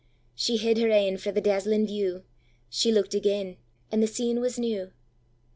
She hid her e'en frae the dazzling view; She look'd again, and the scene was new.